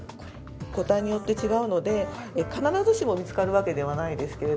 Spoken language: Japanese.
個体によって違うので必ずしも見つかるわけではないですけれども。